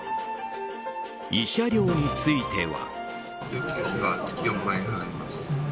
慰謝料については。